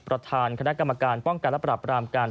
ประธานคณะกรรมการป้องกันและปรับรามการ